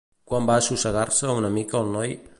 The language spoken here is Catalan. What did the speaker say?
Quan va assossegar-se una mica el noi?